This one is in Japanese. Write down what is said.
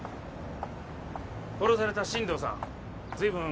殺された進藤さん